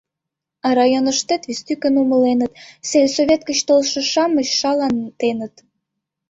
А районыштет вестӱкын умыленыт: сельсовет гыч толшо-шамыч шалатеныт.